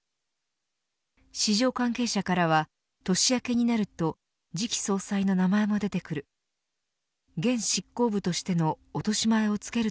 市場関係者からは年明けになると次期総裁の名前も出てくる。